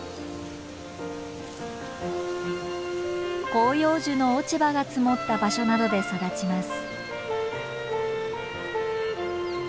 広葉樹の落ち葉が積もった場所などで育ちます。